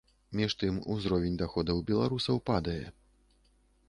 Між тым, узровень даходаў беларусаў падае.